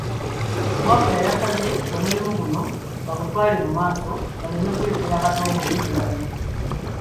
Wabula yabasabye omulimu guno bagutwale mu maaso baleme gulekera Katongole ne banne.